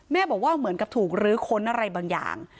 บอกว่าเหมือนกับถูกลื้อค้นอะไรบางอย่าง